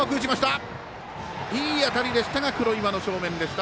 いい当たりでしたが黒岩の正面でした。